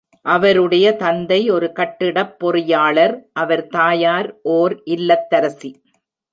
அவருடைய தந்தை ஒரு கட்டிடடப் பொறியாளர், அவர் தாயார் ஓர் இல்லத்தரசி.